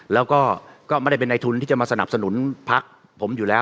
แล้วก็ไม่ได้เป็นในทุนที่จะมาสนับสนุนพักผมอยู่แล้ว